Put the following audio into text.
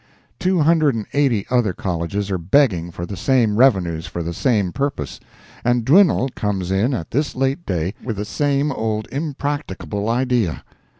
Two hundred and eighty other colleges are begging for the same revenues for the same purpose—and Dwinelle comes in at this late day with the same old impracticable idea.